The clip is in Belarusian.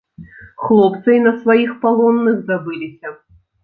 Хлопцы й на сваіх палонных забыліся.